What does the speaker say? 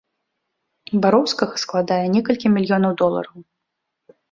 Бароўскага складае некалькі мільёнаў долараў.